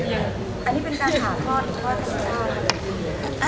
อันนี้เป็นการหาพอดี